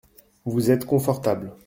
Vous êtes confortable ?